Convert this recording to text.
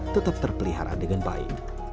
tetap terpelihara dengan baik